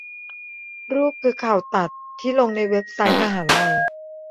รูปคือข่าวตัดที่ลงในเว็บไซต์มหาลัย